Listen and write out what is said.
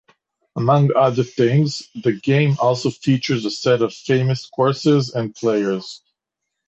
Among other things, the game also features a set of famous courses and players.